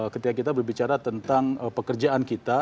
ketika kita berbicara tentang pekerjaan kita